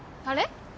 あれ？